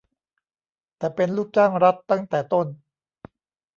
แต่เป็น "ลูกจ้างรัฐ" ตั้งแต่ต้น